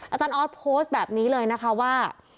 อาจารย์ออสโพสต์แบบนี้เลยนะคะว่า